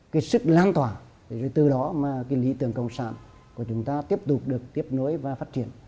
cái sức lan tỏa rồi từ đó mà cái lý tưởng cộng sản của chúng ta tiếp tục được tiếp nối và phát triển